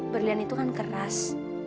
berlian itu kan keras